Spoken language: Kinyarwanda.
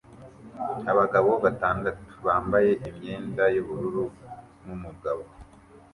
Abagabo batandatu bambaye imyenda yubururu numugabo